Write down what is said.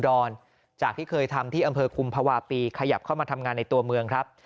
อนจากที่เคยทำที่อำเภอคุมภาวะปีขยับเข้ามาทำงานในตัวเมืองครับ